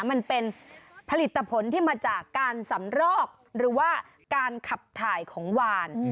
มันเป็นผลิตผลที่มาจากการสำรอกหรือว่าการขับถ่ายของวาน